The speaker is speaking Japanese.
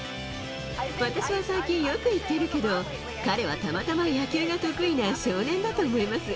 私は最近、よく言っているけど、彼はたまたま野球が得意な少年だと思います。